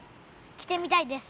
着てみたいです。